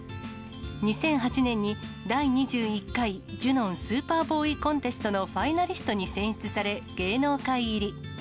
２００８年に第２１回ジュノン・スーパーボーイ・コンテストのファイナリストに選出され、芸能界入り。